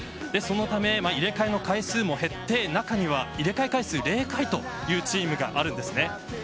そのため入れ替えの回数も減って中には入れ替え回数０回というチームがいるんですね。